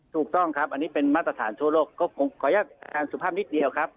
ถูกต้องครับอันนี้เป็นมาตรฐานทั่วโลกก็ขออนุญาตอาจารย์สุภาพนิดเดียวครับ